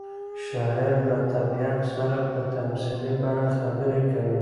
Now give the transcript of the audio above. شاعر له طبیعت سره په تمثیلي بڼه خبرې کوي.